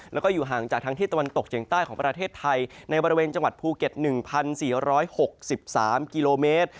แล้วก็อยู่ห่างจากทางที่ตะวันตกเฉียงใต้ของประเทศไทยในบริเวณจังหวัดภูเก็ต๑๔๖๓กิโลเมตร